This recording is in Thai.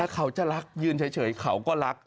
เขาจะรักยืนเฉยเขาก็รัก